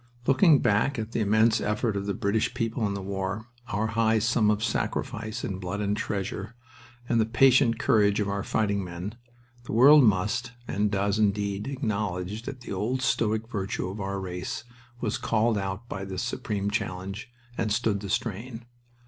Looking back at the immense effort of the British people in the war, our high sum of sacrifice in blood and treasure, and the patient courage of our fighting men, the world must, and does, indeed, acknowledge that the old stoic virtue of our race was called out by this supreme challenge, and stood the strain.